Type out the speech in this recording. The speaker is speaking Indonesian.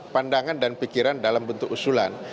pandangan dan pikiran dalam bentuk usulan